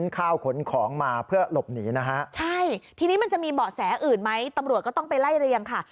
ข้าวขนของมาเพื่อหลบหนีนะฮะใช่ทีนี้มันจะมีเบาะแสอื่นไหมตำรวจก็ต้องไปไล่เรียงค่ะ